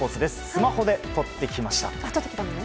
スマホで撮ってきました！